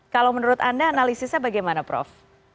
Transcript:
kalau menurut anda analisisnya bagaimana prof